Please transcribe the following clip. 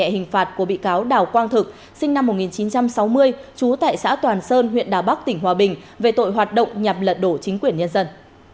trong phần tiếp theo của bản tin xét xử phúc thẩm bị cáo đào quang thực về tội hoạt động nhằm lật đổ chính quyền nhân dân